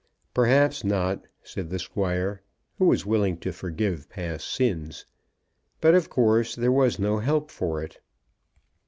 "Perhaps not," said the Squire, who was willing to forgive past sins; "but of course there was no help for it."